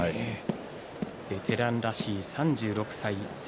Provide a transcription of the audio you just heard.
ベテランらしい３６歳。